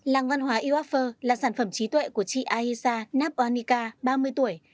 làng văn hóa iwafi là sản phẩm trí tuệ của chị ayesha nabwanika ba mươi tuổi